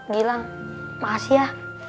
gilang makasih ya